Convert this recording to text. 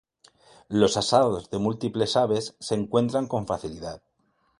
Los asados de múltiples aves se encuentran con facilidad.